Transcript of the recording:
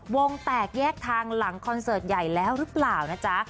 วงแตกแยกทางหลังคอนเสิร์ตใหญ่แล้วหรือเปล่านะจ๊ะ